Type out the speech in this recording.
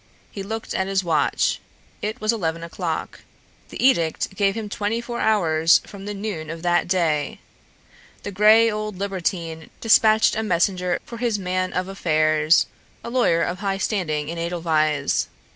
He looked at his watch. It was eleven o'clock. The edict gave him twenty four hours from the noon of that day. The gray old libertine despatched a messenger for his man of affairs, a lawyer of high standing in Edelweiss.